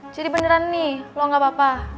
jadi beneran nih lo gak apa apa